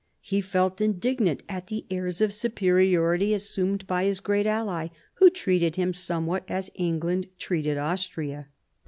He felt indignant at the airs of superiority assumed by his great ally, who treated him somewhat as England treated Austria.